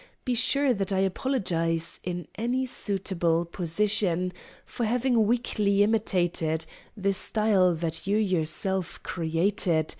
Be sure that I apologize In any suitable position For having weakly imitated The style that you yourself created.